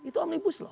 itu om ibu slow